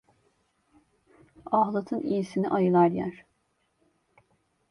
Ahlatın iyisini ayılar yer.